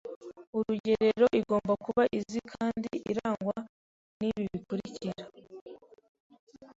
urugerero igomba kuba izi kandi irangwa n’ibi bikurikira: